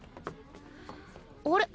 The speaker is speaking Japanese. あれ？